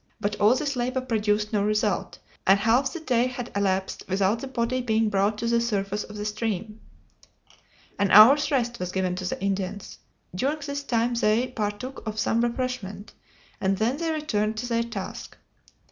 But all this labor produced no result, and half the day had elapsed without the body being brought to the surface of the stream. An hour's rest was given to the Indians. During this time they partook of some refreshment, and then they returned to their task.